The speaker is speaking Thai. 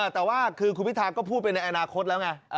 แต่ว่าคือคุณพิธาก็พูดไปในอนาคตแล้วไง